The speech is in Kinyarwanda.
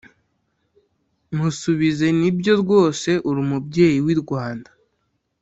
musubizenibyo rwose uri umubyeyi w’i rwanda